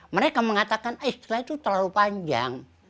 mereka mengatakan istilah itu terlalu panjang